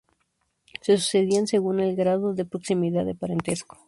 Se sucedían según el grado de proximidad de parentesco.